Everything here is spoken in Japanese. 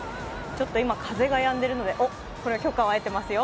今、風がやんでいるのでこれは許可を得ていますよ。